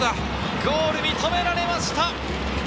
ゴール認められました！